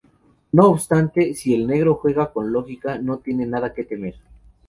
No obstante, si el negro juega con lógica no tiene nada que temer.